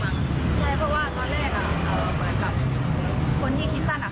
ใช่เพราะว่าตอนแรกเหมือนกับคนที่คิดสั้น